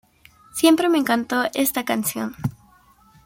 Siempre me encantó esta canción.